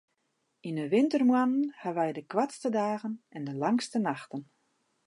Yn 'e wintermoannen hawwe wy de koartste dagen en de langste nachten.